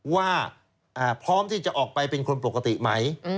ว่าพร้อมที่จะออกไปเป็นคนปกติไหม